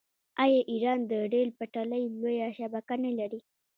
آیا ایران د ریل پټلۍ لویه شبکه نلري؟